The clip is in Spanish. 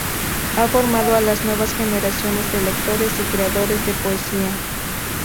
Ha formado a las nuevas generaciones de lectores y creadores de poesía.